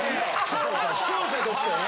それは視聴者としてね。